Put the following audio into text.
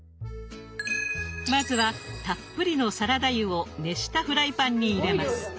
まずはたっぷりのサラダ油を熱したフライパンに入れます。